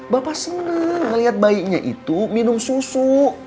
bapak seneng liat bayinya itu minum susu